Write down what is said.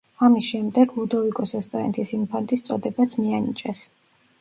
ამის შემდეგ, ლუდოვიკოს ესპანეთის ინფანტის წოდებაც მიანიჭეს.